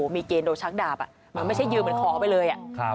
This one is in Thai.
มีเกณฑ์โดนชักดาบมันไม่ใช่ยืนเหมือนขอไปเลย